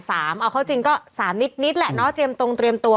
เอาเข้าจริงก็๓นิดแหละเนาะเตรียมตรงเตรียมตัว